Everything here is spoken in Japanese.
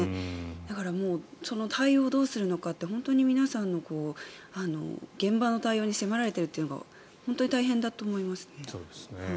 だから、対応をどうするのかって本当に皆さんの現場の対応が迫られているというのが本当に大変だと思いますね。